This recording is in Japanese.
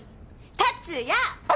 達也！